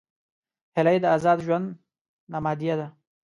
هیلۍ د آزاد ژوند نمادیه ده